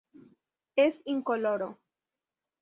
Es incoloro.